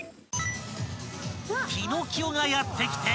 ［ピノキオがやって来て］